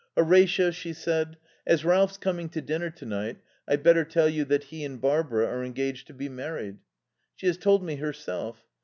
"Horatio," she said, "as Ralph's coming to dinner to night I'd better tell you that he and Barbara are engaged to be married." "She has told me herself....